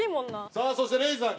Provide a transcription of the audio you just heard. さあそして礼二さん。